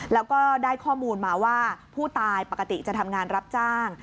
แล้วก็ได้ข้อมูลมาว่าผู้ตายปกติจะทำงานรับจ้าง